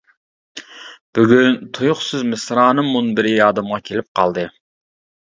بۈگۈن تۇيۇقسىز مىسرانىم مۇنبىرى يادىمغا كېلىپ قالدى.